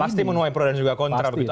pasti menuai pro dan juga kontra begitu